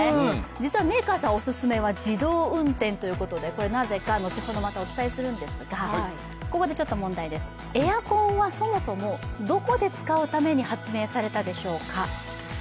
実はメーカーさんおすすめは自動運転ということでなぜか、後ほどまたお伝えするんですが、ここで問題です、エアコンはそもそもどこで使うために発明されたでしょうか？